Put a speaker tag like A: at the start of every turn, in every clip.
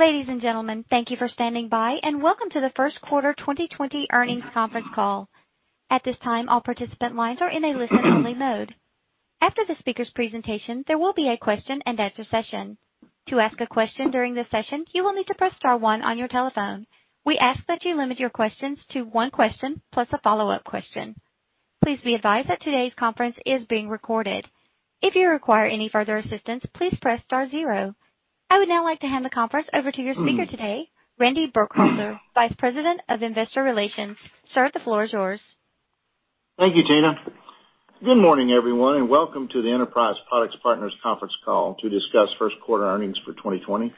A: Ladies and gentlemen, thank you for standing by, and welcome to the first quarter 2020 earnings conference call. At this time, all participant lines are in a listen-only mode. After the speaker's presentation, there will be a question-and-answer session. To ask a question during this session, you will need to press star one on your telephone. We ask that you limit your questions to one question plus a follow-up question. Please be advised that today's conference is being recorded. If you require any further assistance, please press star zero. I would now like to hand the conference over to your speaker today, Randy Burkhalter, Vice President of Investor Relations. Sir, the floor is yours.
B: Thank you, Tina. Good morning, everyone, and welcome to the Enterprise Products Partners conference call to discuss first quarter earnings for 2020.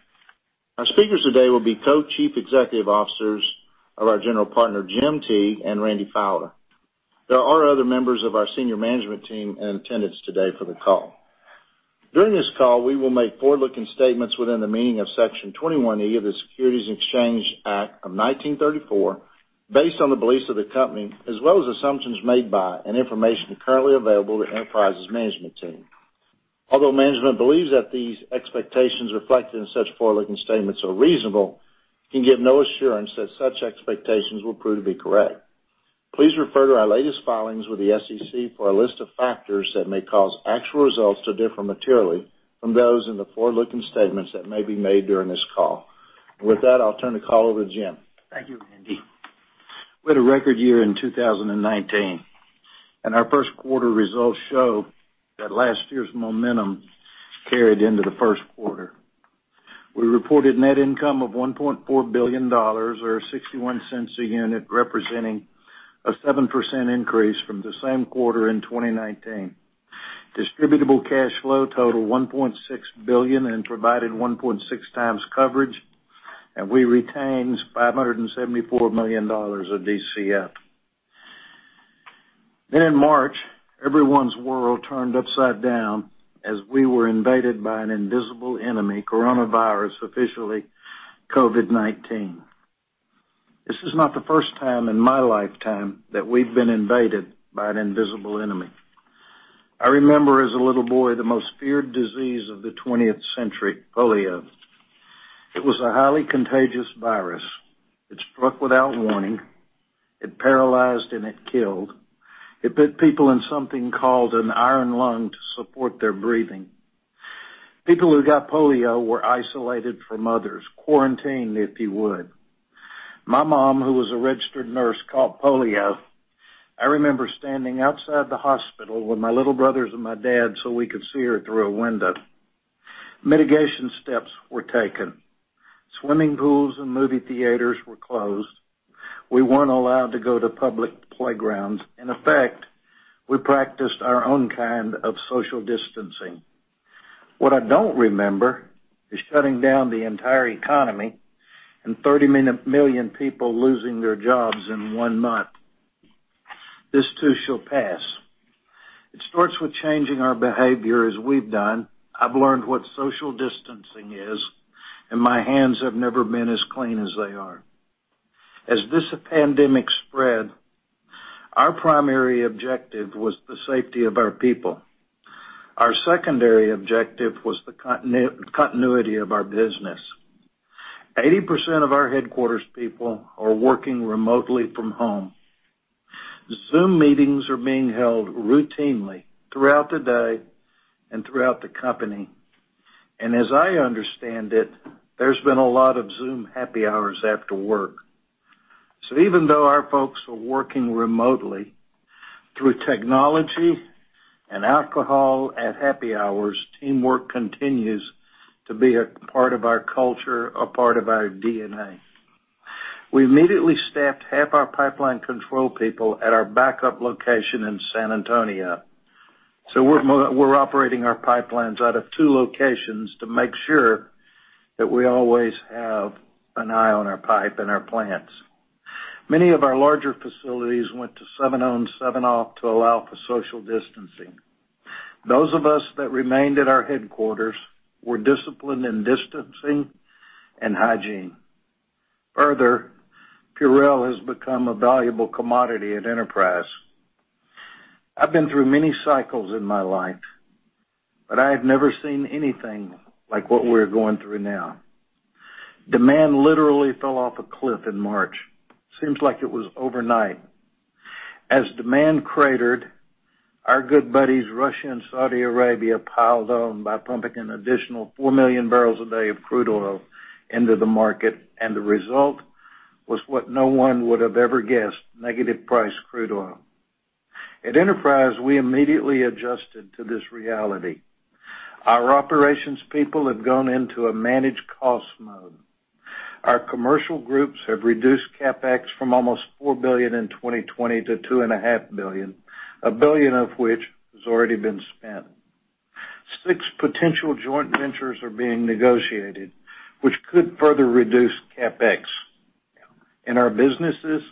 B: Our speakers today will be Co-Chief Executive Officers of our general partner, Jim Teague and Randy Fowler. There are other members of our senior management team in attendance today for the call. During this call, we will make forward-looking statements within the meaning of Section 21E of the Securities Exchange Act of 1934, based on the beliefs of the company, as well as assumptions made by and information currently available to Enterprise's management team. Although management believes that these expectations reflected in such forward-looking statements are reasonable, it can give no assurance that such expectations will prove to be correct. Please refer to our latest filings with the SEC for a list of factors that may cause actual results to differ materially from those in the forward-looking statements that may be made during this call. With that, I'll turn the call over to Jim.
C: Thank you, Randy. We had a record year in 2019, our first quarter results show that last year's momentum carried into the first quarter. We reported net income of $1.4 billion, or $0.61 a unit, representing a 7% increase from the same quarter in 2019. Distributable cash flow totaled $1.6 billion and provided 1.6x coverage, and we retained $574 million of DCF. In March, everyone's world turned upside down as we were invaded by an invisible enemy, coronavirus, officially COVID-19. This is not the first time in my lifetime that we've been invaded by an invisible enemy. I remember as a little boy, the most feared disease of the 20th century, polio. It was a highly contagious virus. It struck without warning. It paralyzed, and it killed. It put people in something called an iron lung to support their breathing. People who got polio were isolated from others, quarantined, if you would. My mom, who was a registered nurse, caught polio. I remember standing outside the hospital with my little brothers and my dad so we could see her through a window. Mitigation steps were taken. Swimming pools and movie theaters were closed. We weren't allowed to go to public playgrounds. In effect, we practiced our own kind of social distancing. What I don't remember is shutting down the entire economy and 30 million people losing their jobs in one month. This too shall pass. It starts with changing our behavior as we've done. I've learned what social distancing is, and my hands have never been as clean as they are. As this pandemic spread, our primary objective was the safety of our people. Our secondary objective was the continuity of our business. 80% of our headquarters people are working remotely from home. Zoom meetings are being held routinely throughout the day and throughout the company. As I understand it, there's been a lot of Zoom happy hours after work. Even though our folks are working remotely, through technology and alcohol at happy hours, teamwork continues to be a part of our culture, a part of our DNA. We immediately staffed half our pipeline control people at our backup location in San Antonio. We're operating our pipelines out of two locations to make sure that we always have an eye on our pipe and our plants. Many of our larger facilities went to seven on, seven off to allow for social distancing. Those of us that remained at our headquarters were disciplined in distancing and hygiene. Further, Purell has become a valuable commodity at Enterprise. I've been through many cycles in my life, I have never seen anything like what we're going through now. Demand literally fell off a cliff in March. Seems like it was overnight. As demand cratered, our good buddies, Russia and Saudi Arabia, piled on by pumping an additional 4 million barrels a day of crude oil into the market, and the result was what no one would've ever guessed, negative price crude oil. At Enterprise, we immediately adjusted to this reality. Our operations people have gone into a managed cost mode. Our commercial groups have reduced CapEx from almost $4 billion in 2020 to $2.5 billion, $1 billion of which has already been spent. Six potential joint ventures are being negotiated, which could further reduce CapEx. In our businesses,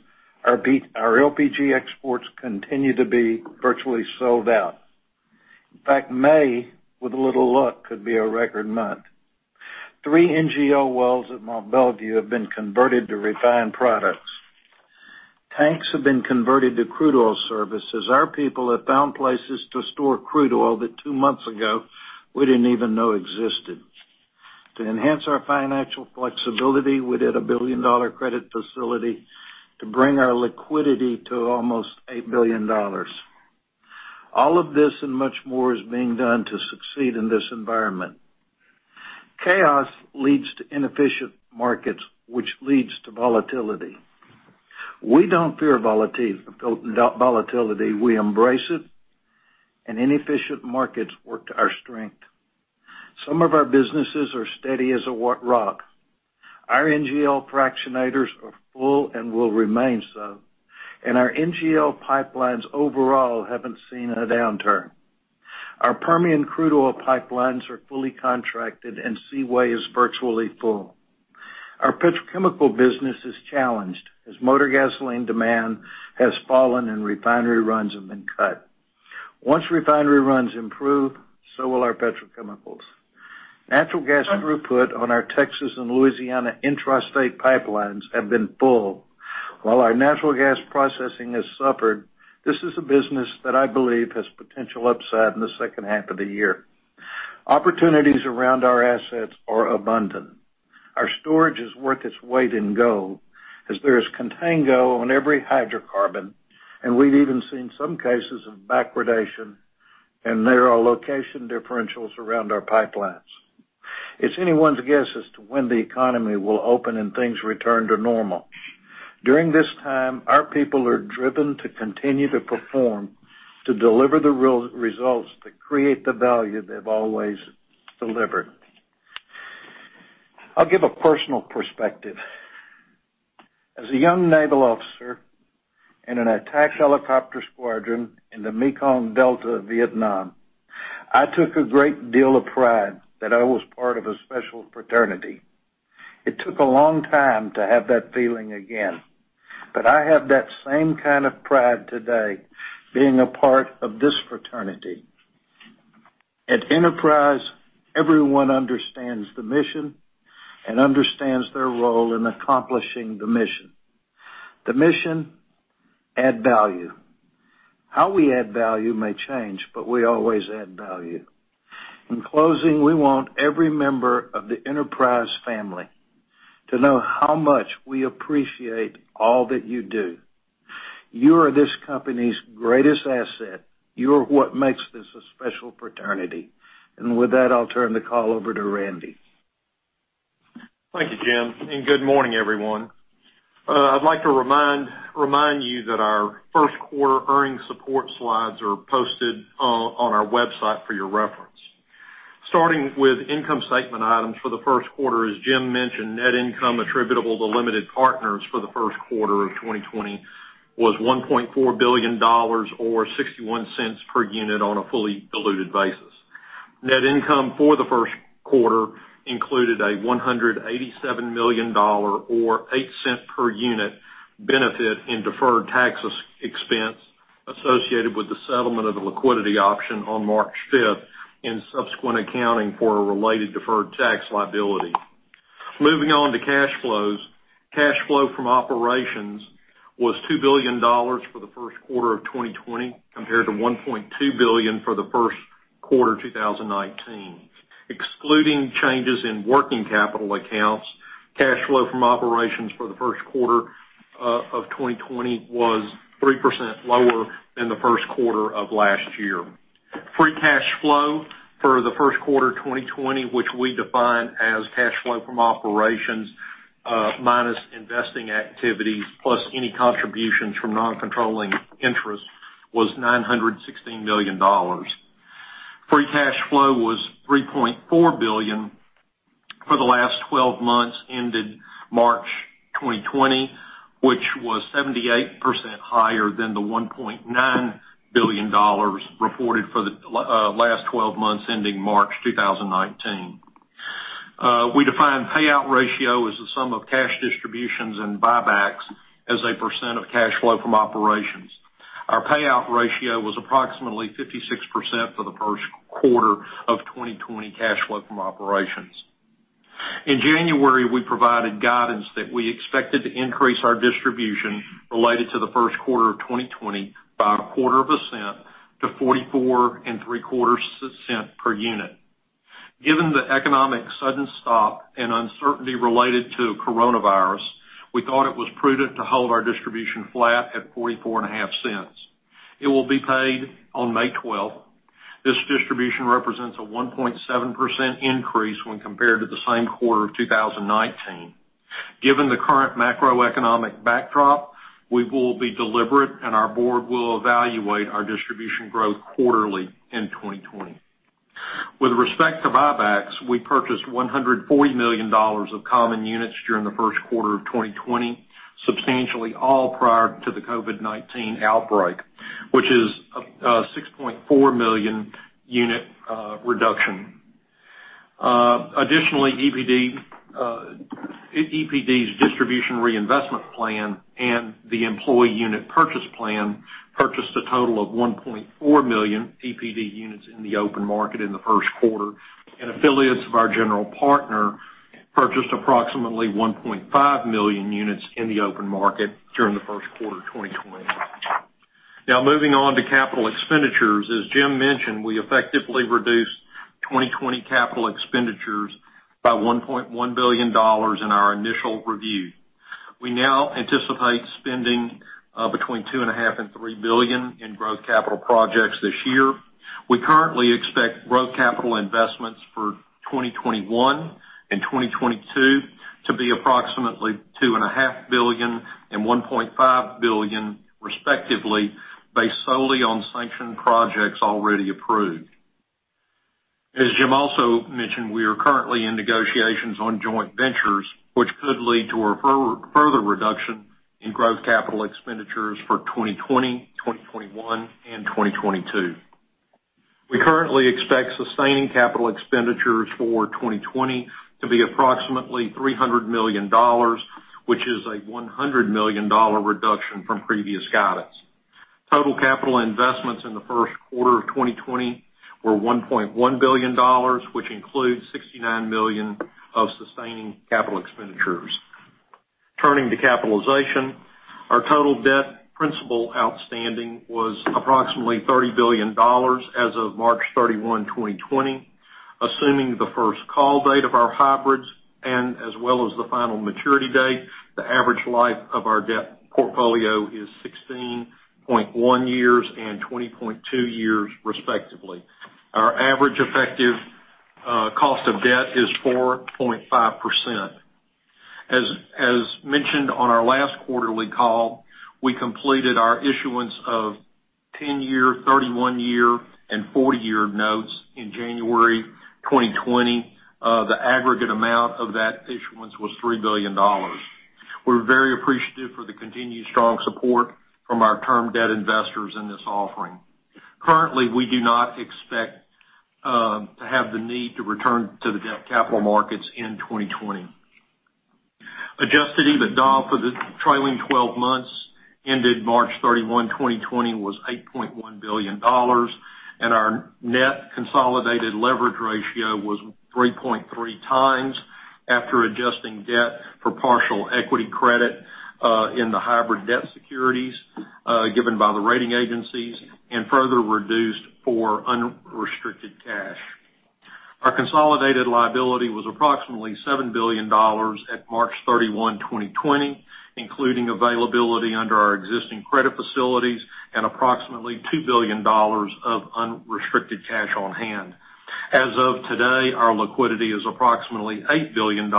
C: our LPG exports continue to be virtually sold out. In fact, May, with a little luck, could be a record month. Three NGL wells at Mont Belvieu have been converted to refined products. Tanks have been converted to crude oil services. Our people have found places to store crude oil that two months ago we didn't even know existed. To enhance our financial flexibility, we did a billion-dollar credit facility to bring our liquidity to almost $8 billion. All of this and much more is being done to succeed in this environment. Chaos leads to inefficient markets, which leads to volatility. We don't fear volatility. We embrace it, inefficient markets work to our strength. Some of our businesses are steady as a rock. Our NGL fractionators are full and will remain so, our NGL pipelines overall haven't seen a downturn. Our Permian crude oil pipelines are fully contracted, Seaway is virtually full. Our petrochemical business is challenged as motor gasoline demand has fallen and refinery runs have been cut. Once refinery runs improve, so will our petrochemicals. Natural gas throughput on our Texas and Louisiana intrastate pipelines have been full. While our natural gas processing has suffered, this is a business that I believe has potential upside in the second half of the year. Opportunities around our assets are abundant. Our storage is worth its weight in gold as there is contango on every hydrocarbon, and we've even seen some cases of backwardation, and there are location differentials around our pipelines. It's anyone's guess as to when the economy will open and things return to normal. During this time, our people are driven to continue to perform, to deliver the results that create the value they've always delivered. I'll give a personal perspective. As a young naval officer in an attack helicopter squadron in the Mekong Delta, Vietnam, I took a great deal of pride that I was part of a special fraternity. It took a long time to have that feeling again, but I have that same kind of pride today being a part of this fraternity. At Enterprise, everyone understands the mission and understands their role in accomplishing the mission. The mission, add value. How we add value may change, but we always add value. In closing, we want every member of the Enterprise family to know how much we appreciate all that you do. You are this company's greatest asset. You're what makes this a special fraternity. With that, I'll turn the call over to Randy.
D: Thank you, Jim. Good morning, everyone. I'd like to remind you that our first-quarter earnings support slides are posted on our website for your reference. Starting with income statement items for the first quarter, as Jim mentioned, net income attributable to limited partners for the first quarter of 2020 was $1.4 billion, or $0.61 per unit on a fully diluted basis. Net income for the first quarter included a $187 million, or $0.08 per unit, benefit in deferred tax expense associated with the settlement of the liquidity option on March 5th and subsequent accounting for a related deferred tax liability. Moving on to cash flows. Cash flow from operations was $2 billion for the first quarter of 2020 compared to $1.2 billion for the first quarter 2019. Excluding changes in working capital accounts, cash flow from operations for the first quarter of 2020 was 3% lower than the first quarter of last year. Free cash flow for the first quarter 2020, which we define as cash flow from operations, minus investing activities, plus any contributions from non-controlling interests, was $916 million. Free cash flow was $3.4 billion for the last 12 months ended March 2020, which was 78% higher than the $1.9 billion reported for the last 12 months ending March 2019. We define payout ratio as the sum of cash distributions and buybacks as a percent of cash flow from operations. Our payout ratio was approximately 56% for the first quarter of 2020 cash flow from operations. In January, we provided guidance that we expected to increase our distribution related to the first quarter of 2020 by a quarter of a cent to $0.4475 per unit. Given the economic sudden stop and uncertainty related to coronavirus, we thought it was prudent to hold our distribution flat at $0.445. It will be paid on May 12th. This distribution represents a 1.7% increase when compared to the same quarter of 2019. Given the current macroeconomic backdrop, we will be deliberate, and our board will evaluate our distribution growth quarterly in 2020. With respect to buybacks, we purchased $140 million of common units during the first quarter of 2020, substantially all prior to the COVID-19 outbreak, which is a 6.4-million unit reduction. Additionally, EPD's distribution reinvestment plan and the employee unit purchase plan purchased a total of 1.4 million EPD units in the open market in the first quarter, and affiliates of our general partner purchased approximately 1.5 million units in the open market during the first quarter of 2020. Moving on to capital expenditures. As Jim mentioned, we effectively reduced 2020 capital expenditures by $1.1 billion in our initial review. We now anticipate spending between $2.5 billion-$3 billion in growth capital projects this year. We currently expect growth capital investments for 2021 and 2022 to be approximately $2.5 billion and $1.5 billion respectively, based solely on sanctioned projects already approved. As Jim also mentioned, we are currently in negotiations on joint ventures, which could lead to a further reduction in growth capital expenditures for 2020, 2021, and 2022. We currently expect sustaining capital expenditures for 2020 to be approximately $300 million, which is a $100 million reduction from previous guidance. Total capital investments in the first quarter of 2020 were $1.1 billion, which includes $69 million of sustaining capital expenditures. Turning to capitalization, our total debt principal outstanding was approximately $30 billion as of March 31, 2020. Assuming the first call date of our hybrids and as well as the final maturity date, the average life of our debt portfolio is 16.1 years and 20.2 years respectively. Our average effective cost of debt is 4.5%. As mentioned on our last quarterly call, we completed our issuance of 10-year, 31-year, and 40-year notes in January 2020. The aggregate amount of that issuance was $3 billion. We're very appreciative for the continued strong support from our term debt investors in this offering. Currently, we do not expect to have the need to return to the debt capital markets in 2020. Adjusted EBITDA for the trailing 12 months ended March 31, 2020 was $8.1 billion. Our net consolidated leverage ratio was 3.3x after adjusting debt for partial equity credit in the hybrid debt securities given by the rating agencies, and further reduced for unrestricted cash. Our consolidated liability was approximately $7 billion at March 31, 2020, including availability under our existing credit facilities and approximately $2 billion of unrestricted cash on hand. As of today, our liquidity is approximately $8 billion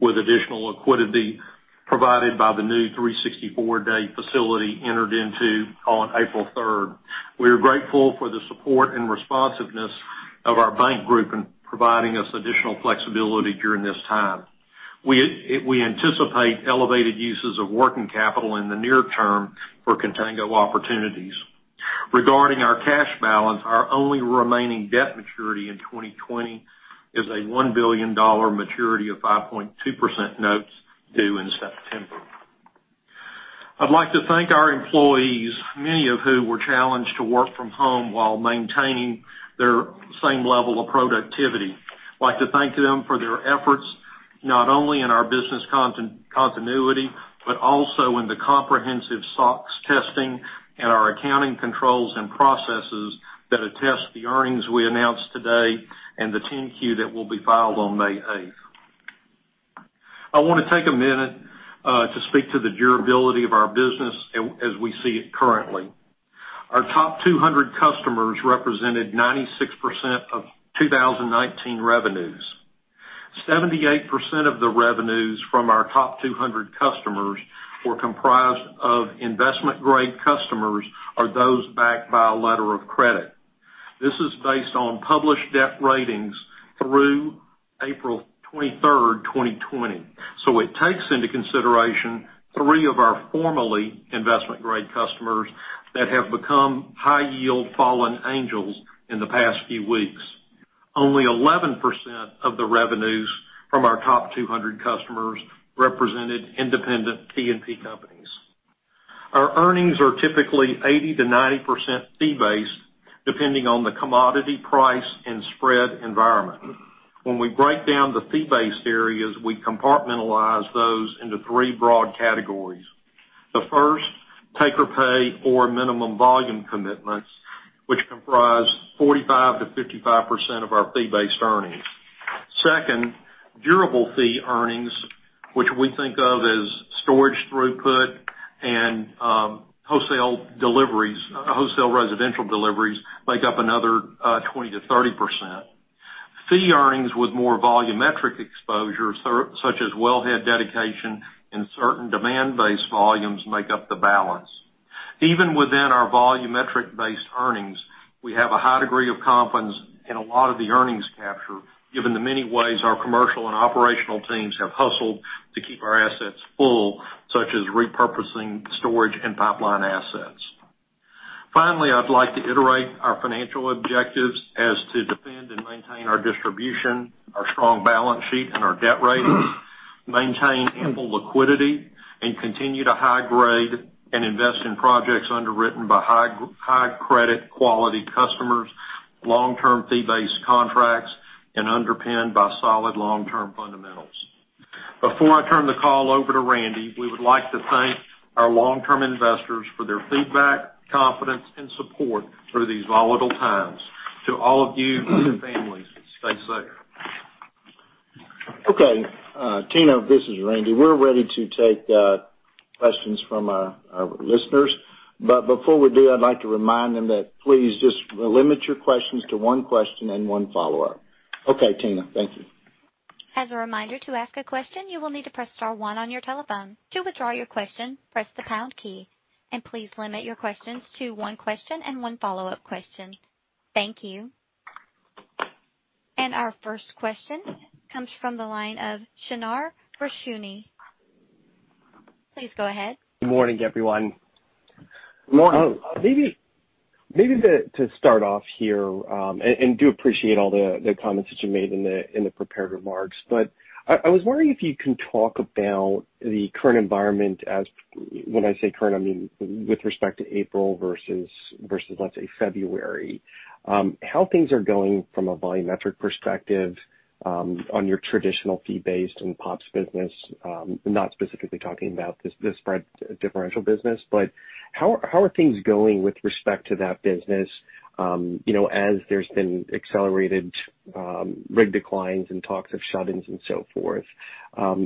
D: with additional liquidity provided by the new 364-day facility entered into on April 3rd. We are grateful for the support and responsiveness of our bank group in providing us additional flexibility during this time. We anticipate elevated uses of working capital in the near term for contango opportunities. Regarding our cash balance, our only remaining debt maturity in 2020 is a $1 billion maturity of 5.2% notes due in September. I'd like to thank our employees, many of who were challenged to work from home while maintaining their same level of productivity. I'd like to thank them for their efforts, not only in our business continuity, but also in the comprehensive SOX testing and our accounting controls and processes that attest the earnings we announced today and the 10-Q that will be filed on May 8th. I want to take a minute to speak to the durability of our business as we see it currently. Our top 200 customers represented 96% of 2019 revenues. 78% of the revenues from our top 200 customers were comprised of investment-grade customers or those backed by a letter of credit. This is based on published debt ratings through April 23rd, 2020. It takes into consideration three of our formerly investment-grade customers that have become high-yield fallen angels in the past few weeks. Only 11% of the revenues from our top 200 customers represented independent E&P companies. Our earnings are typically 80%-90% fee-based, depending on the commodity price and spread environment. When we break down the fee-based areas, we compartmentalize those into three broad categories. The first, take or pay or minimum volume commitments, which comprise 45%-55% of our fee-based earnings. Second, durable fee earnings, which we think of as storage throughput and wholesale residential deliveries, make up another 20%-30%. Fee earnings with more volumetric exposure, such as well head dedication and certain demand-based volumes, make up the balance. Even within our volumetric-based earnings, we have a high degree of confidence in a lot of the earnings capture given the many ways our commercial and operational teams have hustled to keep our assets full, such as repurposing storage and pipeline assets. Finally, I'd like to iterate our financial objectives as to defend and maintain our distribution, our strong balance sheet, and our debt rating, maintain ample liquidity, and continue to high grade and invest in projects underwritten by high credit quality customers, long-term fee-based contracts, and underpinned by solid long-term fundamentals. Before I turn the call over to Randy, we would like to thank our long-term investors for their feedback, confidence, and support through these volatile times. To all of you and your families, stay safe.
B: Okay. Tina, this is Randy. We're ready to take questions from our listeners. Before we do, I'd like to remind them that please just limit your questions to one question and one follow-up. Okay, Tina. Thank you.
A: As a reminder, to ask a question, you will need to press star one on your telephone. To withdraw your question, press the pound key. Please limit your questions to one question and one follow-up question. Thank you. Our first question comes from the line of Shneur Gershuni. Please go ahead.
E: Good morning, everyone. Maybe to start off here, I do appreciate all the comments that you made in the prepared remarks, but I was wondering if you can talk about the current environment. When I say current, I mean with respect to April versus, let's say, February. How things are going from a volumetric perspective on your traditional fee-based and POPs business, not specifically talking about the spread differential business, but how are things going with respect to that business as there's been accelerated rig declines and talks of shut-ins and so forth? How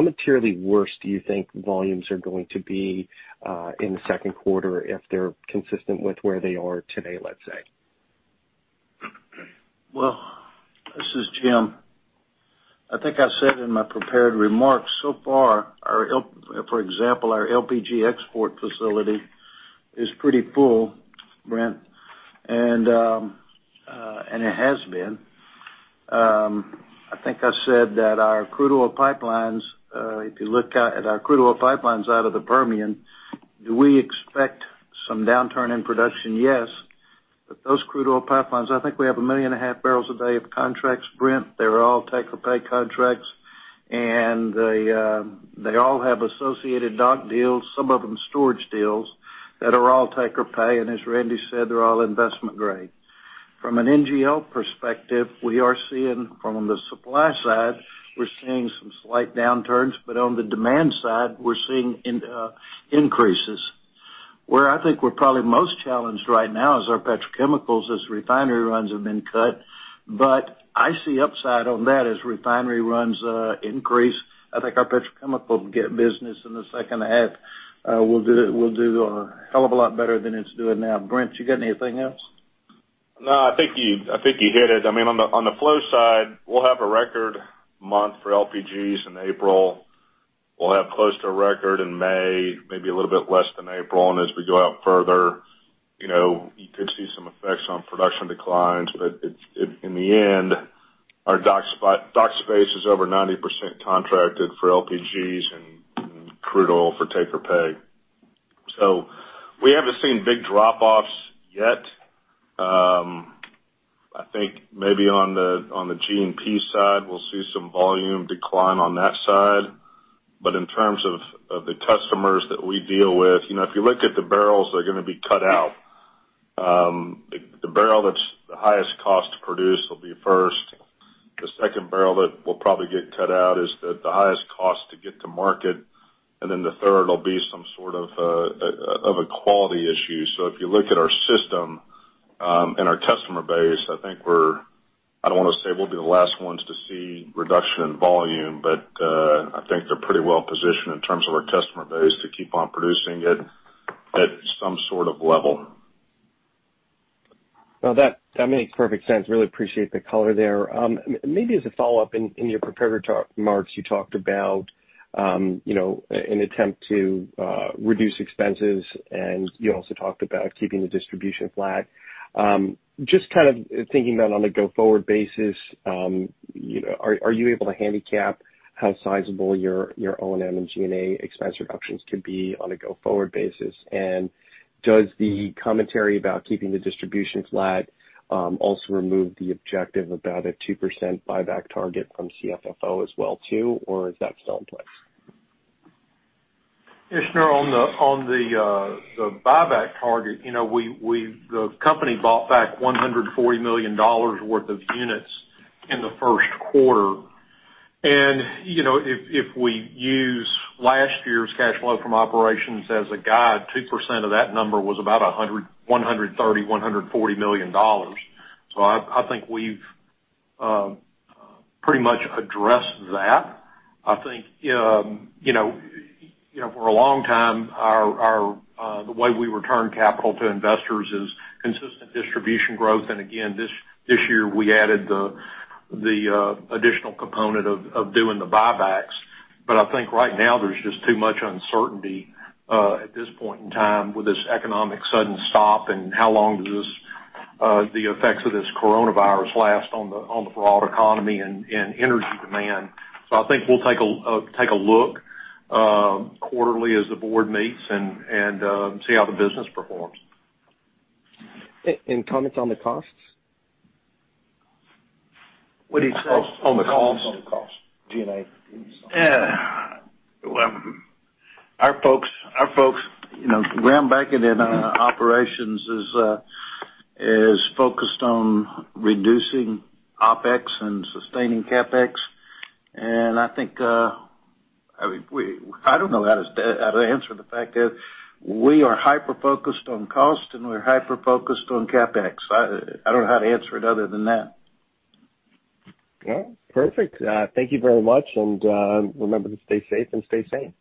E: materially worse do you think volumes are going to be in the second quarter if they're consistent with where they are today, let's say?
C: This is Jim. I think I said in my prepared remarks, so far, for example, our LPG export facility is pretty full, Brent, and it has been. I think I said that our crude oil pipelines-- If you look at our crude oil pipelines out of the Permian, do we expect some downturn in production? Yes. Those crude oil pipelines, I think we have 1.5 million barrels a day of contracts, Brent. They're all take-or-pay contracts, and they all have associated dock deals, some of them storage deals that are all take-or-pay, and as Randy said, they're all investment grade. From an NGL perspective, we are seeing from the supply side, we're seeing some slight downturns, but on the demand side, we're seeing increases. Where I think we're probably most challenged right now is our petrochemicals as refinery runs have been cut. I see upside on that as refinery runs increase. I think our petrochemical business in the second half will do a hell of a lot better than it's doing now. Brent, you got anything else?
F: No, I think you hit it. On the flow side, we'll have a record month for LPGs in April. We'll have close to a record in May, maybe a little bit less than April. As we go out further, you could see some effects on production declines. In the end, our dock space is over 90% contracted for LPGs and crude oil for take or pay. We haven't seen big drop-offs yet. I think maybe on the G&P side, we'll see some volume decline on that side. In terms of the customers that we deal with, if you look at the barrels that are going to be cut out, the barrel that's the highest cost to produce will be first. The second barrel that will probably get cut out is the highest cost to get to market. The third will be some sort of a quality issue. If you look at our system and our customer base, I don't want to say we'll be the last ones to see reduction in volume, but I think they're pretty well positioned in terms of our customer base to keep on producing it at some sort of level.
E: Well, that makes perfect sense. Really appreciate the color there. Maybe as a follow-up, in your prepared remarks, you talked about an attempt to reduce expenses, and you also talked about keeping the distribution flat. Just kind of thinking about on a go-forward basis, are you able to handicap how sizable your O&M and G&A expense reductions could be on a go-forward basis? And does the commentary about keeping the distribution flat also remove the objective about a 2% buyback target from CFFO as well, too, or is that still in place?
D: Yes, Shneur. On the buyback target, the company bought back $140 million worth of units in the first quarter. If we use last year's cash flow from operations as a guide, 2% of that number was about $130 million, $140 million. I think we've pretty much addressed that. I think for a long time, the way we return capital to investors is consistent distribution growth, and again, this year, we added the additional component of doing the buybacks. I think right now, there's just too much uncertainty at this point in time with this economic sudden stop and how long does the effects of this coronavirus last on the broad economy and energy demand. I think we'll take a look quarterly as the board meets and see how the business performs.
E: Comments on the costs?
C: What did he say?
E: On the costs.
C: On the costs.
E: G&A.
C: Yeah. Well, our folks, Graham Bacon in operations is focused on reducing OpEx and sustaining CapEx. I think, I don't know how to answer the fact that we are hyper-focused on cost and we're hyper-focused on CapEx. I don't know how to answer it other than that.
E: Yeah. Perfect. Thank you very much, and remember to stay safe and stay sane.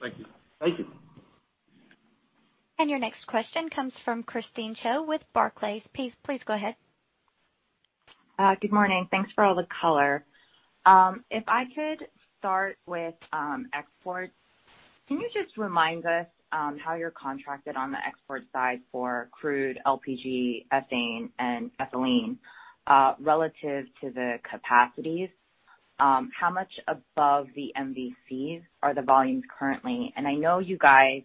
D: Thank you.
C: Thank you.
A: Your next question comes from Christine Cho with Barclays. Please go ahead.
G: Good morning. Thanks for all the color. If I could start with exports. Can you just remind us how you're contracted on the export side for crude LPG, ethane, and ethylene, relative to the capacities? How much above the MVCs are the volumes currently? I know you guys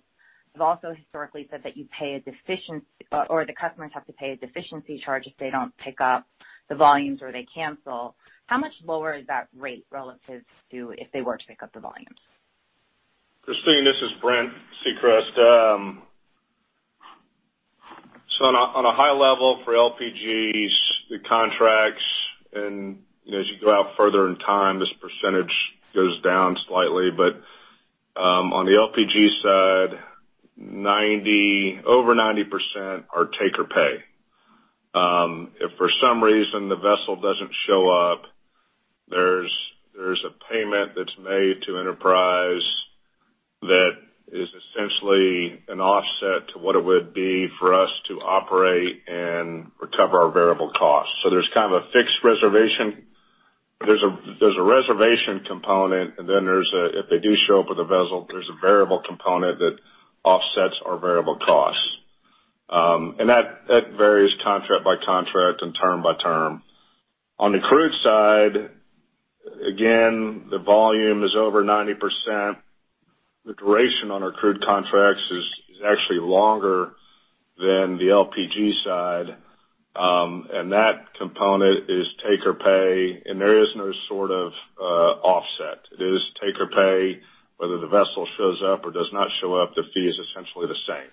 G: have also historically said that the customers have to pay a deficiency charge if they don't pick up the volumes or they cancel. How much lower is that rate relative to if they were to pick up the volumes?
F: Christine, this is Brent Secrest. On a high level for LPGs, the contracts, and as you go out further in time, this percentage goes down slightly. On the LPG side, over 90% are take or pay. If for some reason the vessel doesn't show up, there's a payment that's made to Enterprise that is essentially an offset to what it would be for us to operate and recover our variable costs. There's kind of a fixed reservation. There's a reservation component, and then if they do show up with a vessel, there's a variable component that offsets our variable costs. That varies contract by contract and term by term. On the crude side, again, the volume is over 90%. The duration on our crude contracts is actually longer than the LPG side. That component is take or pay, and there is no sort of offset. It is take or pay, whether the vessel shows up or does not show up, the fee is essentially the same.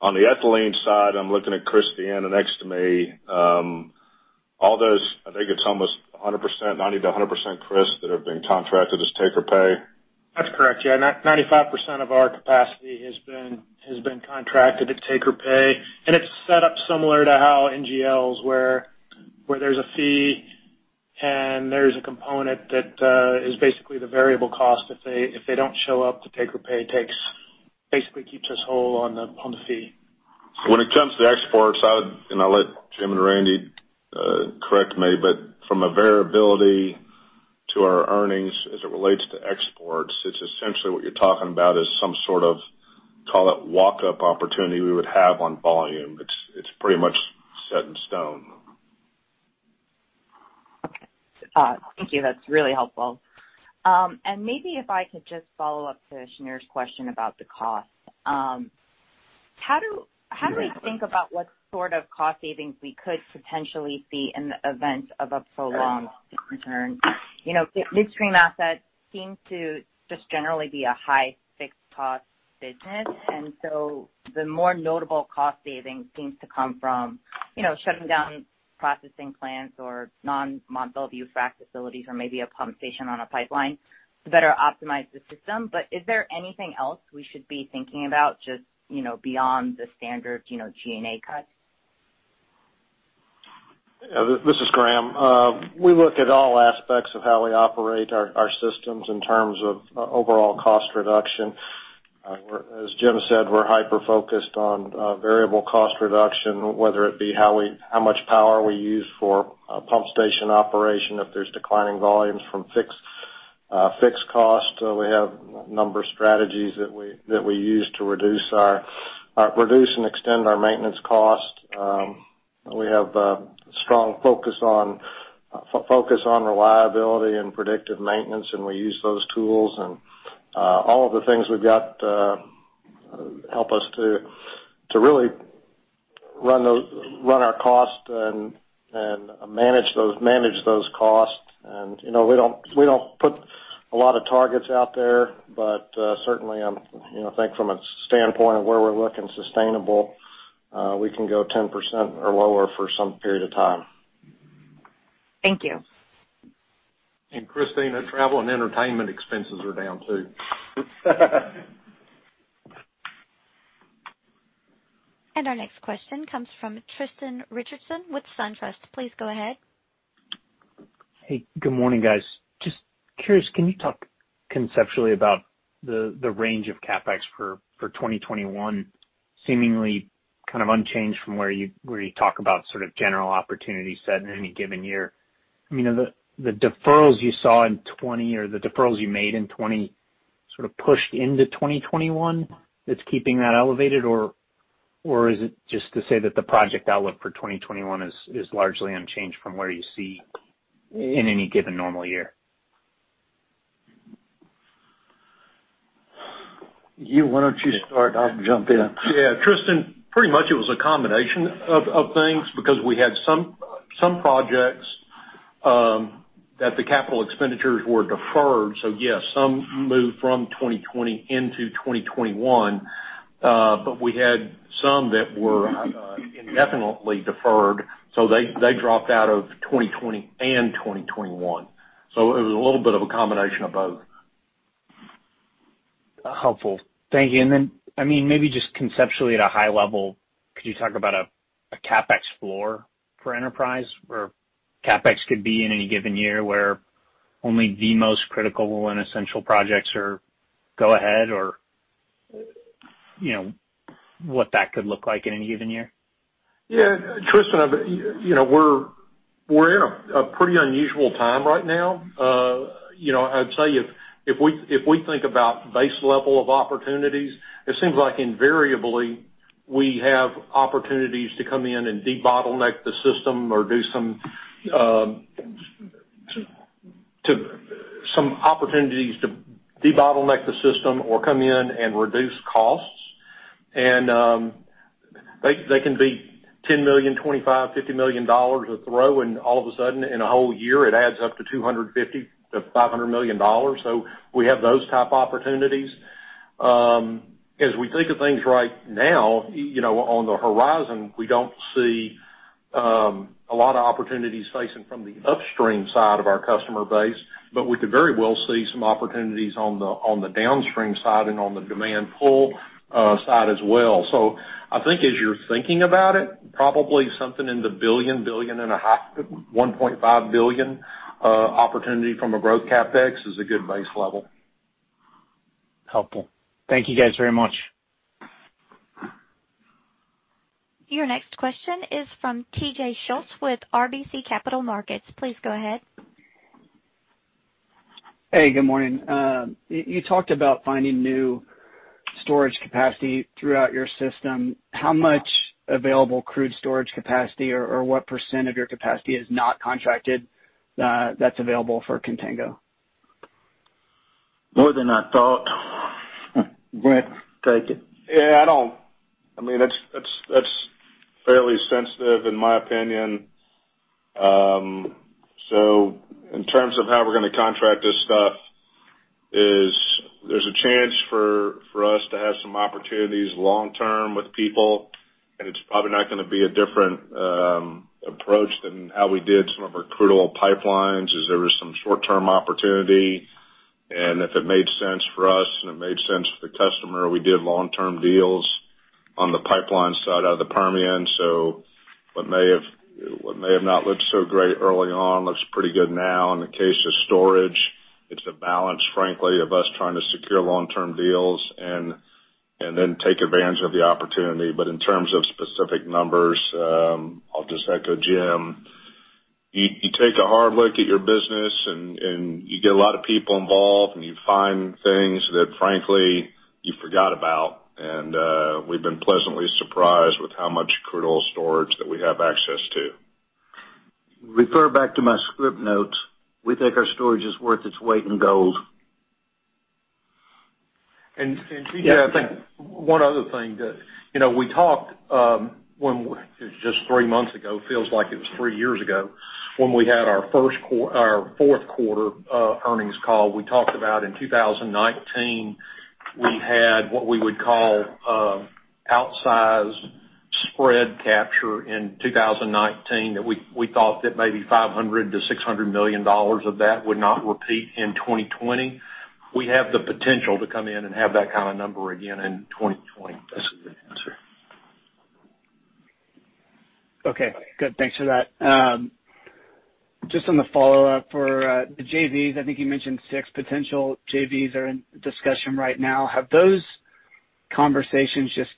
F: On the ethylene side, I'm looking at Chris D'Anna next to me. All those, I think it's almost 100%, 90%-100%, Chris, that have been contracted as take or pay?
H: That's correct. 95% of our capacity has been contracted at take or pay. It's set up similar to how NGLs, where there's a fee and there's a component that is basically the variable cost if they don't show up, the take or pay basically keeps us whole on the fee.
F: When it comes to exports, and I'll let Jim and Randy correct me, but from a variability to our earnings as it relates to exports, it's essentially what you're talking about is some sort of call it walk-up opportunity we would have on volume. It's pretty much set in stone.
G: Okay. Thank you. That's really helpful. Maybe if I could just follow up to Shneur's question about the cost. How do we think about what sort of cost savings we could potentially see in the event of a prolonged return? Midstream assets seem to just generally be a high fixed cost business, and so the more notable cost saving seems to come from shutting down processing plants or non-Mont Belvieu frack facilities or maybe a pump station on a pipeline to better optimize the system. Is there anything else we should be thinking about just beyond the standard G&A cuts?
I: This is Graham. We look at all aspects of how we operate our systems in terms of overall cost reduction. As Jim said, we're hyper-focused on variable cost reduction, whether it be how much power we use for pump station operation, if there's declining volumes from fixed cost. We have a number of strategies that we use to reduce and extend our maintenance cost. We have a strong focus on reliability and predictive maintenance, and we use those tools and all of the things we've got help us to really run our costs and manage those costs. We don't put a lot of targets out there, but certainly, I think from a standpoint of where we're looking sustainable, we can go 10% or lower for some period of time.
G: Thank you.
C: Christine, our travel and entertainment expenses are down, too.
A: Our next question comes from Tristan Richardson with SunTrust. Please go ahead.
J: Hey, good morning, guys. Just curious, can you talk conceptually about the range of CapEx for 2021 seemingly kind of unchanged from where you talk about sort of general opportunity set in any given year? I mean, are the deferrals you saw in 2020 or the deferrals you made in 2020 sort of pushed into 2021 that's keeping that elevated, or is it just to say that the project outlook for 2021 is largely unchanged from where you see in any given normal year?
C: You, why don't you start? I'll jump in.
D: Yeah, Tristan, pretty much it was a combination of things because we had some projects that the capital expenditures were deferred. Yes, some moved from 2020 into 2021. We had some that were indefinitely deferred, so they dropped out of 2020 and 2021. It was a little bit of a combination of both.
J: Helpful. Thank you. Then, maybe just conceptually at a high level, could you talk about a CapEx floor for Enterprise where CapEx could be in any given year, where only the most critical and essential projects go ahead, or what that could look like in any given year?
D: Yeah. Tristan, we're in a pretty unusual time right now. I'd tell you, if we think about base level of opportunities, it seems like invariably we have opportunities to come in and debottleneck the system or do some opportunities to debottleneck the system or come in and reduce costs. They can be $10 million, $25 million, $50 million a throw, and all of a sudden, in a whole year, it adds up to $250 million-$500 million. We have those type opportunities. As we think of things right now, on the horizon, we don't see a lot of opportunities facing from the upstream side of our customer base, but we could very well see some opportunities on the downstream side and on the demand pull side as well. I think as you're thinking about it, probably something in the $1 billion, $1.5 billion opportunity from a growth CapEx is a good base level.
J: Helpful. Thank you guys very much.
A: Your next question is from TJ Schultz with RBC Capital Markets. Please go ahead.
K: Hey, good morning. You talked about finding new storage capacity throughout your system. How much available crude storage capacity or what percent of your capacity is not contracted that's available for contango?
C: More than I thought. Brent, take it.
F: Yeah, that's fairly sensitive in my opinion. In terms of how we're going to contract this stuff is there's a chance for us to have some opportunities long-term with people, and it's probably not going to be a different approach than how we did some of our crude oil pipelines. There was some short-term opportunity, and if it made sense for us and it made sense for the customer, we did long-term deals on the pipeline side out of the Permian. What may have not looked so great early on, looks pretty good now. In the case of storage, it's a balance, frankly, of us trying to secure long-term deals and then take advantage of the opportunity. In terms of specific numbers, I'll just echo Jim. You take a hard look at your business, and you get a lot of people involved, and you find things that frankly, you forgot about. We've been pleasantly surprised with how much crude oil storage that we have access to.
C: Refer back to my script notes. We think our storage is worth its weight in gold.
D: TJ, I think, one other thing. We talked, just three months ago, feels like it was three years ago, when we had our fourth quarter earnings call. We talked about in 2019, we had what we would call outsized spread capture in 2019 that we thought that maybe $500 million-$600 million of that would not repeat in 2020. We have the potential to come in and have that kind of number again in 2020. That's the answer.
K: Okay, good. Thanks for that. Just on the follow-up for the JVs, I think you mentioned six potential JVs are in discussion right now. Have those conversations just,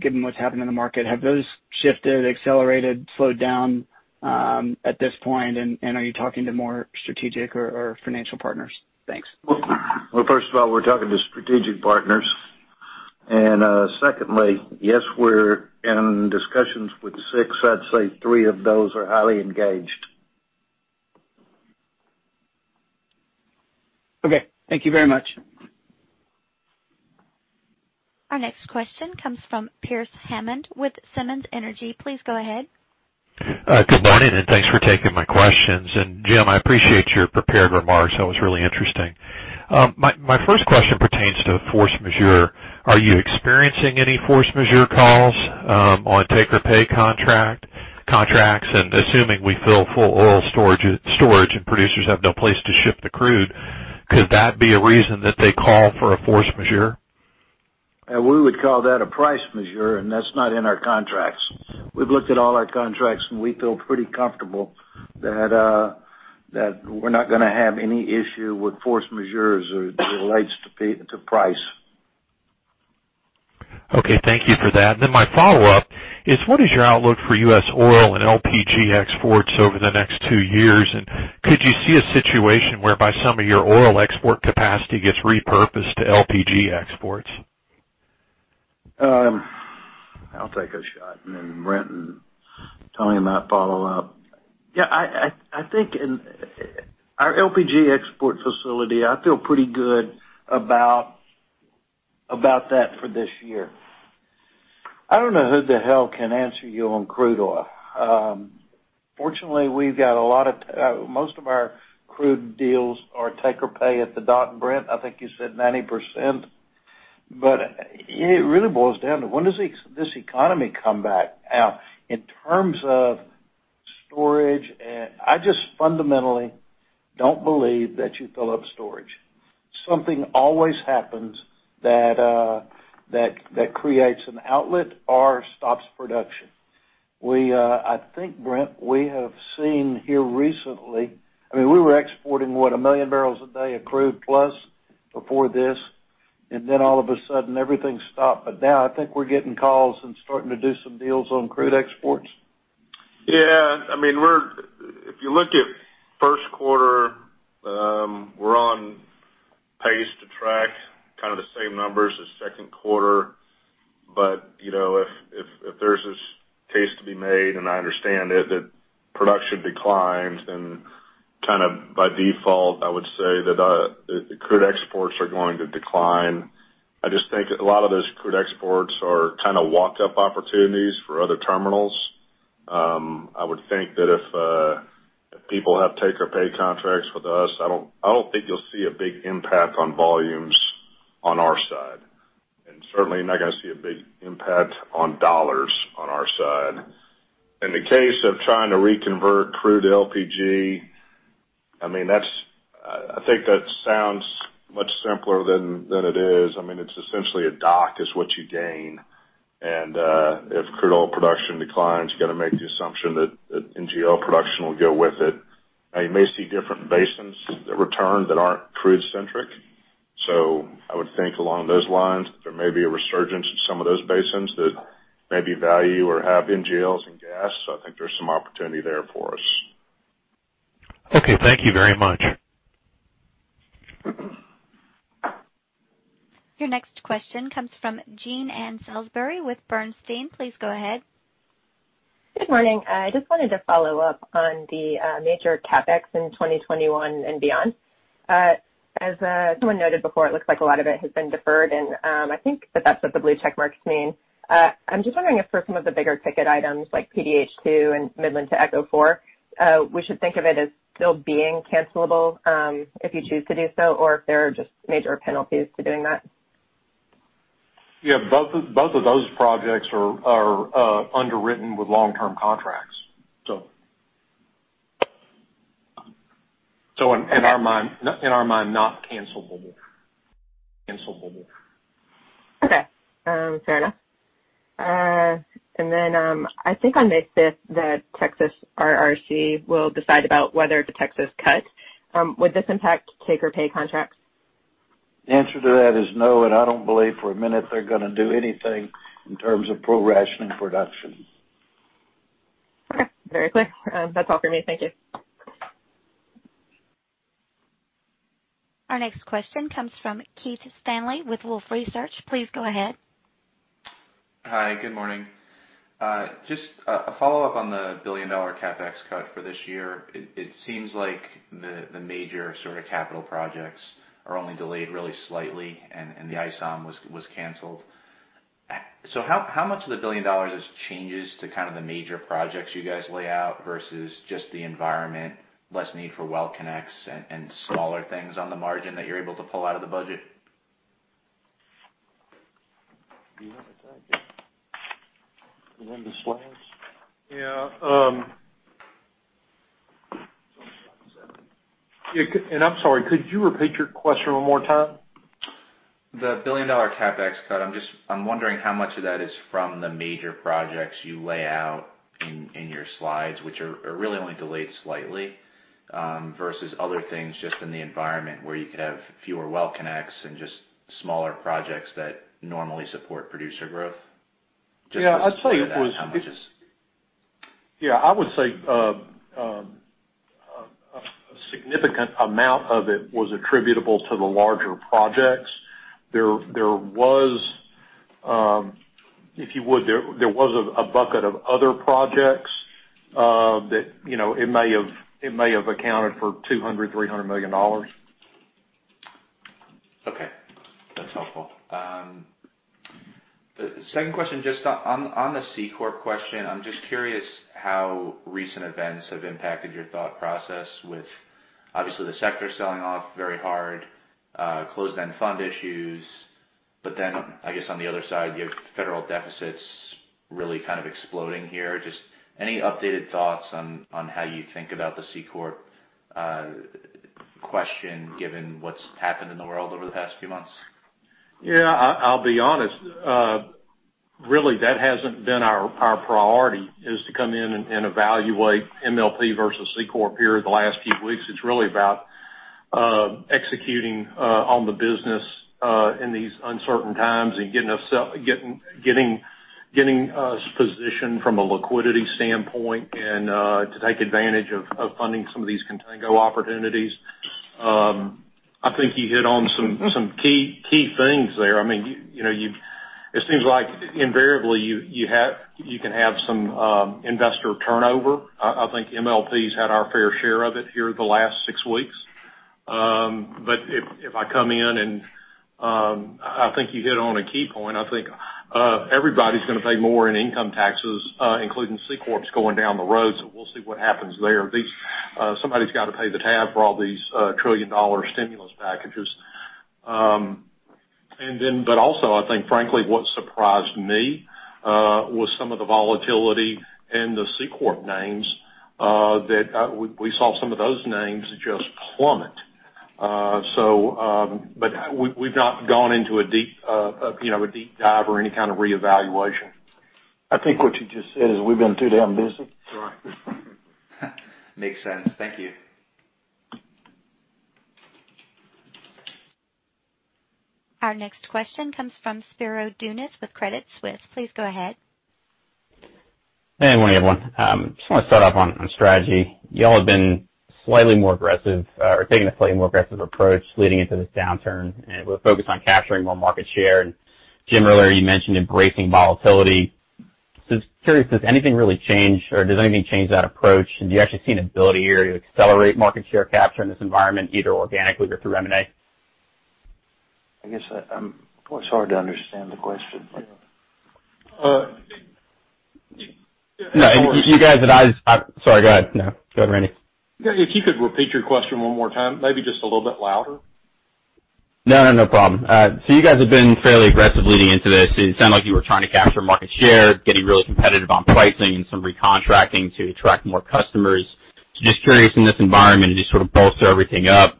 K: given what's happened in the market, have those shifted, accelerated, slowed down at this point, and are you talking to more strategic or financial partners? Thanks.
C: Well, first of all, we're talking to strategic partners. Secondly, yes, we're in discussions with six. I'd say three of those are highly engaged.
K: Okay. Thank you very much.
A: Our next question comes from Pearce Hammond with Simmons Energy. Please go ahead.
L: Good morning, and thanks for taking my questions. Jim, I appreciate your prepared remarks. That was really interesting. My first question pertains to force majeure. Are you experiencing any force majeure calls on take-or-pay contracts? Assuming we fill full oil storage, and producers have no place to ship the crude, could that be a reason that they call for a force majeure?
C: We would call that a price majeure, and that's not in our contracts. We've looked at all our contracts, and we feel pretty comfortable that we're not going to have any issue with force majeurs as it relates to price.
L: Okay, thank you for that. My follow-up is, what is your outlook for U.S. oil and LPG exports over the next two years, and could you see a situation whereby some of your oil export capacity gets repurposed to LPG exports?
C: I'll take a shot and then Brent and Tony might follow up. Yeah, I think in our LPG export facility, I feel pretty good about that for this year. I don't know who the hell can answer you on crude oil. Fortunately, most of our crude deals are take-or-pay at the dot and Brent, I think you said 90%. It really boils down to when does this economy come back? In terms of storage, I just fundamentally don't believe that you fill up storage. Something always happens that creates an outlet or stops production. I think, Brent, we have seen here recently, we were exporting, what, 1 million barrels a day of crude plus before this. All of a sudden everything stopped. Now I think we're getting calls and starting to do some deals on crude exports.
F: Yeah. If you look at first quarter, we're on pace to track kind of the same numbers as second quarter. If there's this case to be made, and I understand it, that production declines, then kind of by default, I would say that the crude exports are going to decline. I just think a lot of those crude exports are kind of walk up opportunities for other terminals. I would think that if people have take or pay contracts with us, I don't think you'll see a big impact on volumes on our side. Certainly not going to see a big impact on dollars on our side. In the case of trying to reconvert crude to LPG, I think that sounds much simpler than it is. It's essentially a dock is what you gain. If crude oil production declines, you got to make the assumption that NGL production will go with it. You may see different basins that return that aren't crude centric. I would think along those lines that there may be a resurgence in some of those basins that maybe value or have NGLs and gas. I think there's some opportunity there for us.
L: Okay. Thank you very much.
A: Your next question comes from Jean Ann Salisbury with Bernstein. Please go ahead.
M: Good morning. I just wanted to follow up on the major CapEx in 2021 and beyond. As someone noted before, it looks like a lot of it has been deferred, I think that that's what the blue check marks mean. I'm just wondering if for some of the bigger ticket items like PDH2 and Midland-to-ECHO 4, we should think of it as still being cancelable if you choose to do so, or if there are just major penalties to doing that.
C: Yeah, both of those projects are underwritten with long-term contracts. In our mind, not cancelable.
M: Okay. Fair enough. Then, I think I missed this, that Texas RRC will decide about whether to Texas cut. Would this impact take-or-pay contracts?
C: The answer to that is no. I don't believe for a minute they're going to do anything in terms of prorating production.
M: Okay, very clear. That's all for me. Thank you.
A: Our next question comes from Keith Stanley with Wolfe Research. Please go ahead.
N: Hi. Good morning. Just a follow-up on the billion-dollar CapEx cut for this year. It seems like the major sort of capital projects are only delayed really slightly, and the ISOM was canceled. How much of the $1 billion is changes to kind of the major projects you guys lay out versus just the environment, less need for well connects and smaller things on the margin that you're able to pull out of the budget?
C: Do you want to take it? You want the slides?
F: Yeah. I'm sorry, could you repeat your question one more time?
N: The billion-dollar CapEx cut. I'm wondering how much of that is from the major projects you lay out in your slides, which are really only delayed slightly, versus other things just in the environment where you could have fewer well connects and just smaller projects that normally support producer growth. Just wonder how much is?
F: Yeah. I would say a significant amount of it was attributable to the larger projects. There was a bucket of other projects, that it may have accounted for $200 million, $300 million.
N: Okay. That's helpful. The second question, just on the C-Corp question, I'm just curious how recent events have impacted your thought process with, obviously, the sector selling off very hard, closed-end fund issues, I guess on the other side, you have federal deficits really kind of exploding here. Any updated thoughts on how you think about the C-Corp question given what's happened in the world over the past few months?
D: Yeah. I'll be honest. Really that hasn't been our priority, is to come in and evaluate MLP versus C-Corp here the last few weeks. It's really about executing on the business, in these uncertain times and getting us positioned from a liquidity standpoint and to take advantage of funding some of these contango opportunities. I think you hit on some key things there. It seems like invariably, you can have some investor turnover. I think MLPs had our fair share of it here the last six weeks. If I come in, and I think you hit on a key point, I think everybody's going to pay more in income taxes including C-Corps going down the road, we'll see what happens there. Somebody's got to pay the tab for all these trillion-dollar stimulus packages. Also, I think frankly, what surprised me was some of the volatility in the C-Corp names. That we saw some of those names just plummet. We've not gone into a deep dive or any kind of re-evaluation.
C: I think what you just said is we've been too damn busy.
D: That's right.
N: Makes sense. Thank you.
A: Our next question comes from Spiro Dounis with Credit Suisse. Please go ahead.
O: Hey, good morning, everyone. Just want to start off on strategy. You all have been taking a slightly more aggressive approach leading into this downturn, with a focus on capturing more market share. Jim, earlier you mentioned embracing volatility. Just curious, does anything really change or does anything change that approach? Have you actually seen ability here to accelerate market share capture in this environment, either organically or through M&A?
C: I guess it's hard to understand the question.
O: No. Sorry, go ahead. No, go ahead, Randy.
D: If you could repeat your question one more time, maybe just a little bit louder.
O: No, no problem. You guys have been fairly aggressive leading into this. It sounded like you were trying to capture market share, getting really competitive on pricing and some recontracting to attract more customers. Just curious in this environment, you just sort of bolster everything up.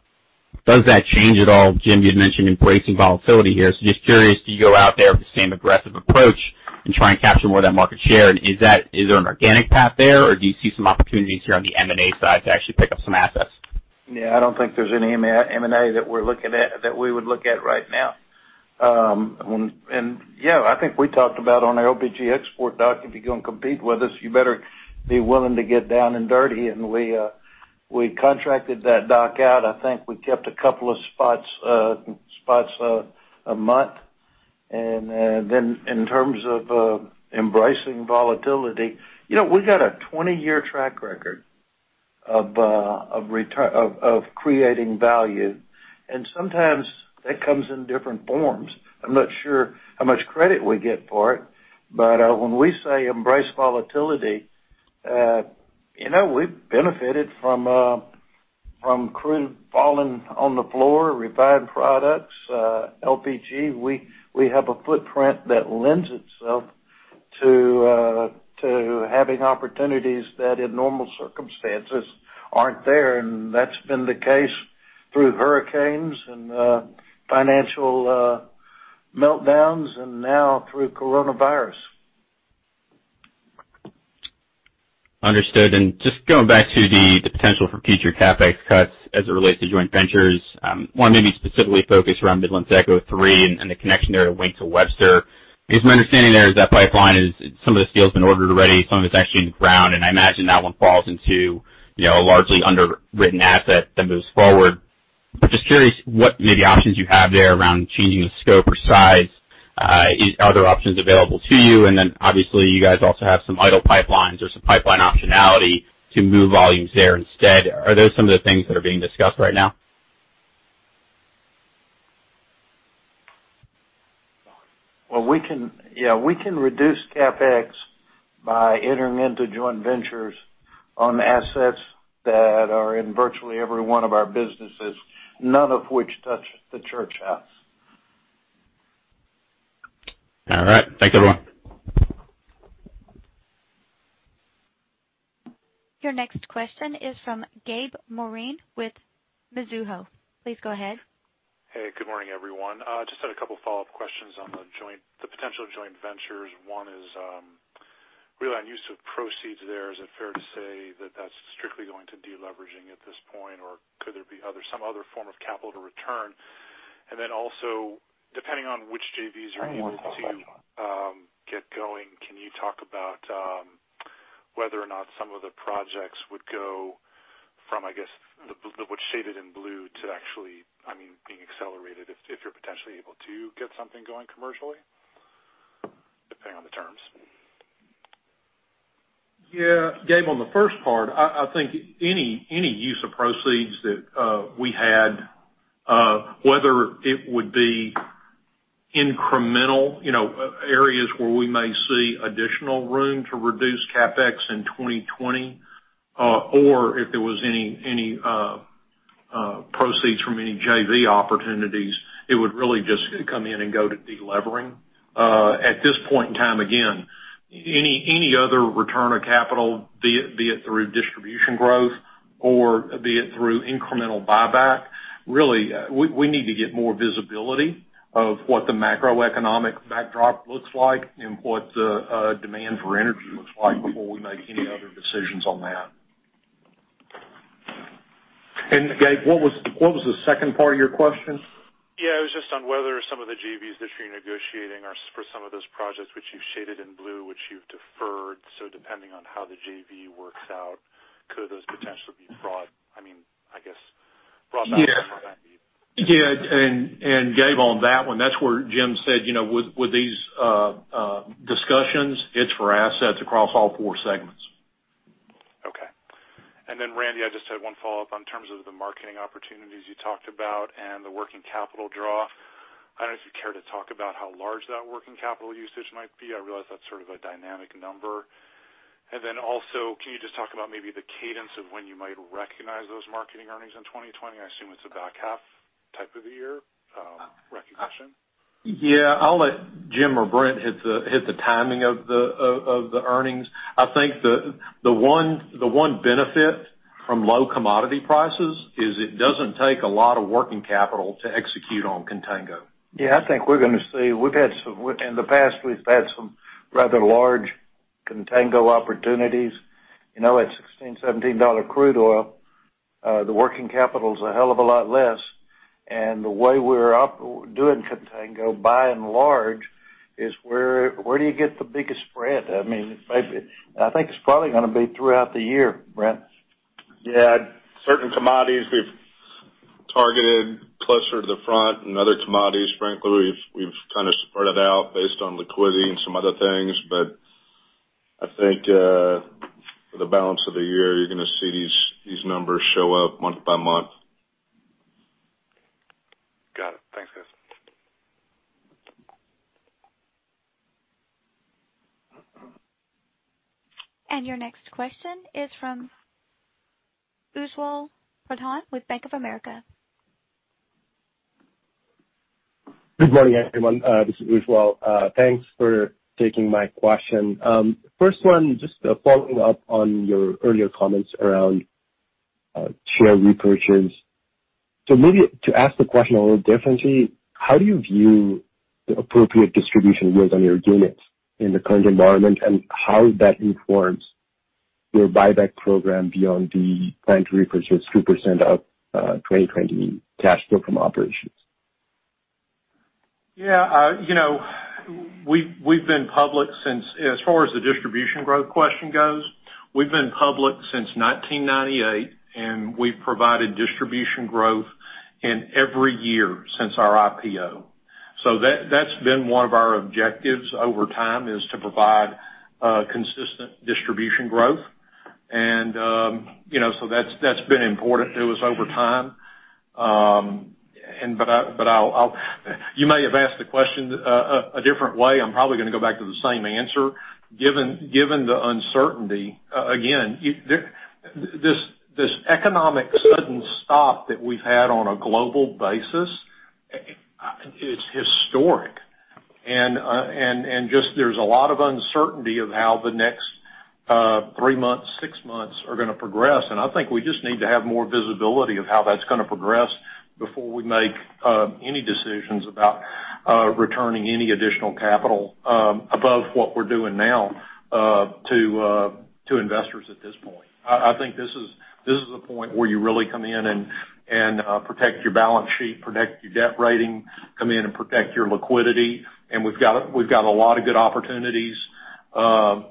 O: Does that change at all? Jim, you'd mentioned embracing volatility here, just curious, do you go out there with the same aggressive approach and try and capture more of that market share? Is there an organic path there, or do you see some opportunities here on the M&A side to actually pick up some assets?
C: I don't think there's any M&A that we would look at right now. I think we talked about on our LPG export dock, if you're going to compete with us, you better be willing to get down and dirty. We contracted that dock out. I think we kept a couple of spots a month. In terms of embracing volatility, we've got a 20-year track record of creating value, and sometimes that comes in different forms. I'm not sure how much credit we get for it, but when we say embrace volatility, we've benefited from crude falling on the floor, refined products, LPG. We have a footprint that lends itself to having opportunities that in normal circumstances aren't there, and that's been the case through hurricanes and financial meltdowns, and now through coronavirus.
O: Understood. Just going back to the potential for future CapEx cuts as it relates to joint ventures. I want to maybe specifically focus around Midland-to-ECHO 3 and the connection there at Wink to Webster, because my understanding there is that pipeline is, some of the steel's been ordered already, some of it's actually in the ground, and I imagine that one falls into a largely underwritten asset that moves forward. Just curious what maybe options you have there around changing the scope or size. Are there options available to you? Obviously you guys also have some idle pipelines or some pipeline optionality to move volumes there instead. Are those some of the things that are being discussed right now?
C: Well, we can reduce CapEx by entering into joint ventures on assets that are in virtually every one of our businesses, none of which touch the church house.
O: All right. Thanks, everyone.
A: Your next question is from Gabe Moreen with Mizuho. Please go ahead.
P: Hey, good morning, everyone. Just had a couple follow-up questions on the potential joint ventures. One is, relying use of proceeds there, is it fair to say that that's strictly going to deleveraging at this point, or could there be some other form of capital to return? Also, depending on which JVs you're able to get going, can you talk about whether or not some of the projects would go from, I guess, what's shaded in blue to actually being accelerated if you're potentially able to get something going commercially, depending on the terms?
D: Yeah. Gabe, on the first part, I think any use of proceeds that we had, whether it would be incremental, areas where we may see additional room to reduce CapEx in 2020, or if there was any proceeds from any JV opportunities, it would really just come in and go to delevering. At this point in time, again, any other return of capital, be it through distribution growth or be it through incremental buyback, really, we need to get more visibility of what the macroeconomic backdrop looks like and what the demand for energy looks like before we make any other decisions on that. Gabe, what was the second part of your question?
P: Yeah. It was just on whether some of the JVs that you're negotiating are for some of those projects which you've shaded in blue, which you've deferred. Depending on how the JV works out, could those potentially be brought back somehow?
D: Yeah. Gabe, on that one, that's where Jim said, with these discussions, it's for assets across all four segments.
P: Okay. Randy, I just had one follow-up on terms of the marketing opportunities you talked about and the working capital draw. I don't know if you care to talk about how large that working capital usage might be. I realize that's sort of a dynamic number. Can you just talk about maybe the cadence of when you might recognize those marketing earnings in 2020? I assume it's a back half type of the year recognition.
D: Yeah. I'll let Jim or Brent hit the timing of the earnings. I think the one benefit from low commodity prices is it doesn't take a lot of working capital to execute on contango.
C: Yeah, I think we're going to see. In the past, we've had some rather large contango opportunities. At $16, $17 crude oil, the working capital is a hell of a lot less. The way we're doing contango, by and large, is where do you get the biggest spread? I think it's probably going to be throughout the year, Brent.
F: Yeah. Certain commodities we've targeted closer to the front, other commodities, frankly, we've kind of spread it out based on liquidity and some other things. I think for the balance of the year, you're going to see these numbers show up month by month.
P: Got it. Thanks, guys.
A: Your next question is from Ujjwal Pradhan with Bank of America.
Q: Good morning, everyone. This is Ujjwal. Thanks for taking my question. First one, just following up on your earlier comments around share repurchases. Maybe to ask the question a little differently, how do you view the appropriate distribution yields on your units in the current environment, and how that informs your buyback program beyond the planned repurchase 2% of 2020 cash flow from operations?
D: Yeah. As far as the distribution growth question goes, we've been public since 1998, and we've provided distribution growth in every year since our IPO. That's been one of our objectives over time, is to provide consistent distribution growth. That's been important to us over time. You may have asked the question a different way. I'm probably going to go back to the same answer. Given the uncertainty, again, this economic sudden stop that we've had on a global basis, it's historic. There's a lot of uncertainty of how the next three months, six months are going to progress, and I think we just need to have more visibility of how that's going to progress before we make any decisions about returning any additional capital above what we're doing now to investors at this point. I think this is a point where you really come in and protect your balance sheet, protect your debt rating, come in and protect your liquidity. We've got a lot of good opportunities that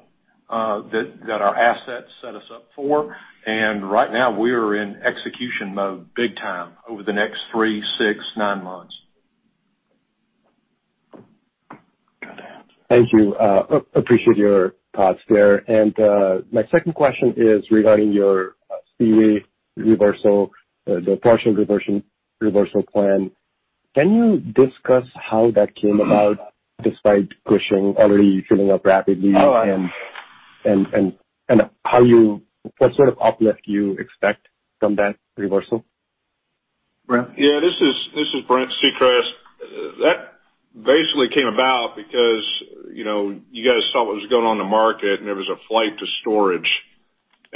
D: our assets set us up for. Right now, we are in execution mode big time over the next three, six, nine months.
Q: Thank you. Appreciate your thoughts there. My second question is regarding your Seaway reversal, the partial reversal plan. Can you discuss how that came about despite pushing already filling up rapidly and what sort of uplift you expect from that reversal?
D: Brent?
F: This is Brent Secrest. That basically came about because you guys saw what was going on in the market, and there was a flight to storage.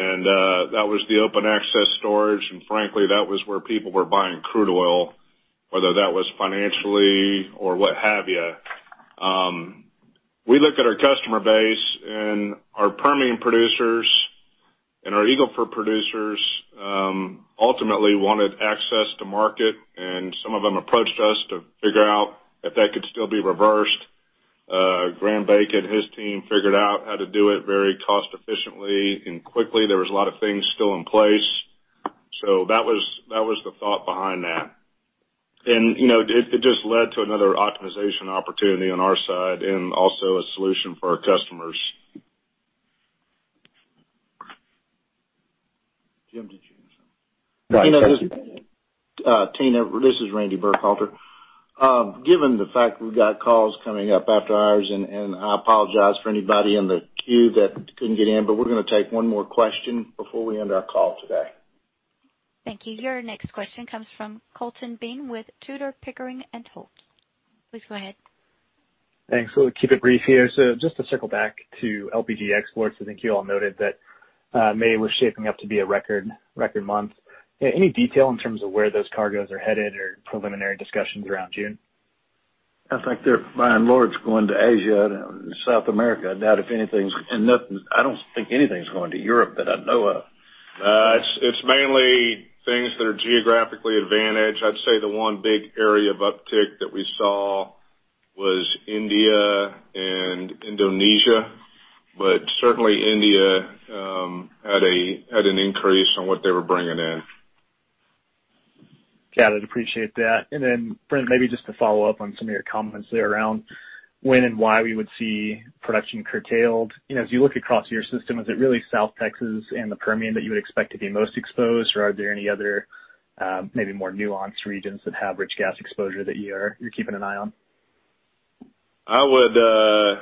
F: That was the open access storage, and frankly, that was where people were buying crude oil, whether that was financially or what have you. We looked at our customer base, and our Permian producers and our Eagle Ford producers ultimately wanted access to market, and some of them approached us to figure out if that could still be reversed. Graham Bacon and his team figured out how to do it very cost efficiently and quickly. There was a lot of things still in place. That was the thought behind that. It just led to another optimization opportunity on our side and also a solution for our customers.
D: Jim, did you have something?
C: No.
Q: Thank you.
B: Tina, this is Randy Burkhalter. Given the fact we've got calls coming up after hours, and I apologize for anybody in the queue that couldn't get in, but we're going to take one more question before we end our call today.
A: Thank you. Your next question comes from Colton Bean with Tudor, Pickering, Holt. Please go ahead.
R: Thanks. We'll keep it brief here. Just to circle back to LPG exports, I think you all noted that May was shaping up to be a record month. Any detail in terms of where those cargoes are headed or preliminary discussions around June?
C: I think they're buying loads going to Asia and South America. I don't think anything's going to Europe that I know of.
F: It's mainly things that are geographically advantaged. I'd say the one big area of uptick that we saw was India and Indonesia. Certainly India had an increase on what they were bringing in.
R: Got it. Appreciate that. Brent, maybe just to follow up on some of your comments there around when and why we would see production curtailed. As you look across your system, is it really South Texas and the Permian that you would expect to be most exposed, or are there any other maybe more nuanced regions that have rich gas exposure that you're keeping an eye on?
F: I'd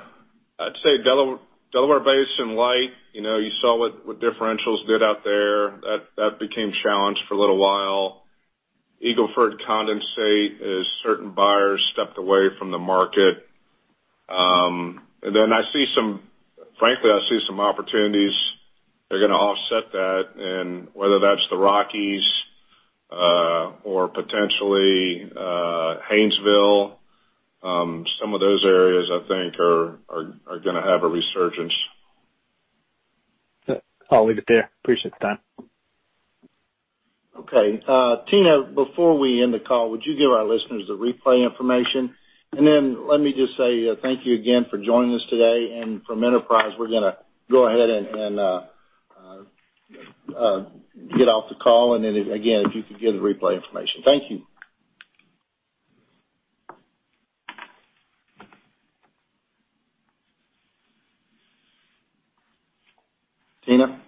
F: say Delaware Basin light. You saw what differentials did out there. That became challenged for a little while. Eagle Ford condensate as certain buyers stepped away from the market. Frankly, I see some opportunities that are going to offset that, and whether that's the Rockies or potentially Haynesville. Some of those areas I think are going to have a resurgence.
R: I'll leave it there. Appreciate the time.
C: Okay. Tina, before we end the call, would you give our listeners the replay information? Then let me just say thank you again for joining us today. From Enterprise, we're going to go ahead and get off the call. Then again, if you could give the replay information. Thank you. Tina?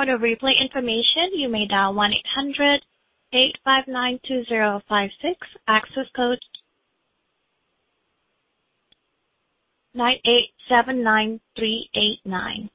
A: For the replay information, you may dial 1-800-859-2056, access code 9879389.